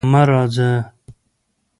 مه راځه!